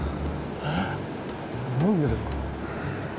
えっ？何でですか？